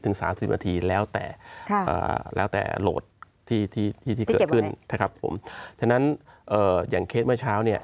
๒๐๓๐นาทีแล้วแต่